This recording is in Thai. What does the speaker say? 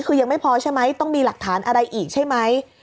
คือยังไม่พอใช่ไหมต้องมีหลักฐานอะไรอีกใช่ไหม